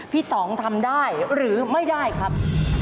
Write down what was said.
ต่องทำได้หรือไม่ได้ครับ